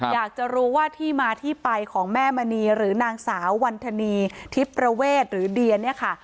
อยากจะรู้ว่าที่มาที่ไปของแม่มณีหรือนางสาววันธนีทิพย์ประเวทหรือเดียเนี่ยค่ะ